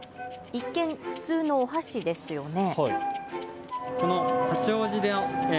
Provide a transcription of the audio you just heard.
一見、普通のお箸ですよね。